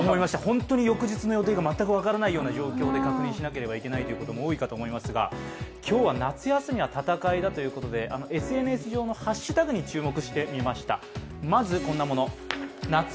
本当に翌日の予定が全く分からないような状況で確認しなければいけないということも多いかと思いますが今日は夏休みは戦いだということでＳＮＳ上のハッシュタグに注目してみました。